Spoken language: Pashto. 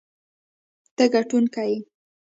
ته ګټونکی یې.